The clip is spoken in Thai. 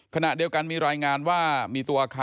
ขณะเดียวกันมีรายงานว่า